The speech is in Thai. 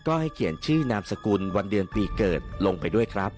ก็ให้เขียนชื่อนามสกุลวันเดือนปีเกิดลงไปด้วยครับ